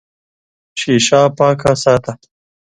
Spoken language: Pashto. شیشه پاکه ساته.